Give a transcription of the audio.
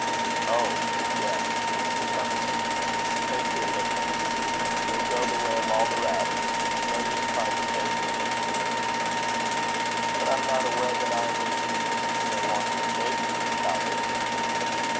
"Oh, yes, Mr. Sutherland. Take your liberty. You'll go the way of all the rest. It's no use trying to save any of you." "But I'm not aware that I am in any particular want of saving, Miss Talbot."